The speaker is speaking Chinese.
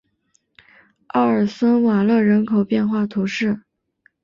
奥尔森瓦勒人口变化图示